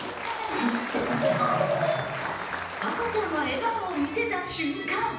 赤ちゃんが笑顔を見せた瞬間！